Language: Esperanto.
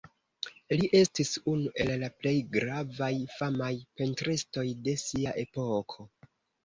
Li estis unu el la plej gravaj famaj pentristoj de sia epoko.